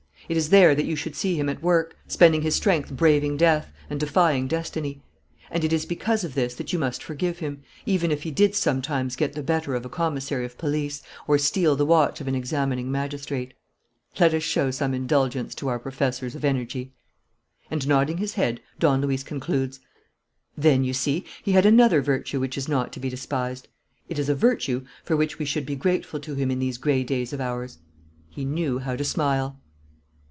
It is there that you should see him at work, spending his strength braving death, and defying destiny. And it is because of this that you must forgive him, even if he did sometimes get the better of a commissary of police or steal the watch of an examining magistrate. Let us show some indulgence to our professors of energy." And, nodding his head, Don Luis concludes: "Then, you see, he had another virtue which is not to be despised. It is a virtue for which we should be grateful to him in these gray days of ours: he knew how to smile!"